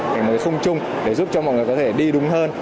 hành mới khung chung để giúp cho mọi người có thể đi đúng hơn